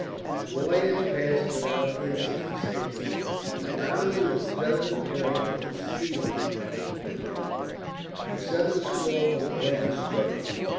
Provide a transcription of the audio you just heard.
The voyage passed without incident save that, when rounding the southern point of Ceylon, a sudden squall from the land struck them.